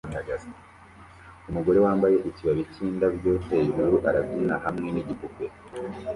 Umugore wambaye ikibabi cyindabyo hejuru arabyina hamwe nigipupe